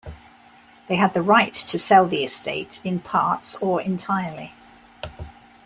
They had the right to sell the estate, in parts or entirely.